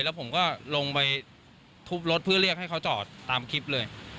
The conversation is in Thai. แล้วผมก็ลงไปทุบรถเพื่อเรียกให้เขาจอดตามคลิปเลย